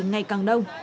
ngày càng đông